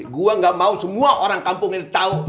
gua gak mau semua orang kampung ini tau